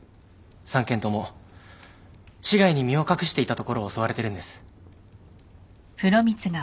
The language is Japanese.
３件とも市外に身を隠していたところを襲われてるんです。